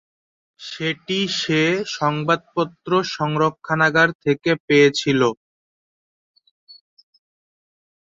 সেটি সে সংবাদপত্র সংরক্ষণাগার থেকে পেয়েছিল।